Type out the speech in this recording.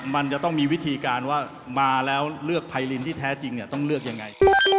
มันจะต้องมีวิธีการว่ามาแล้วเลือกไพรินที่แท้จริงต้องเลือกยังไง